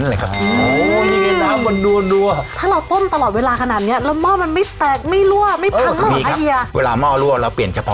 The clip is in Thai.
หม้อใหญ่๔หม้อ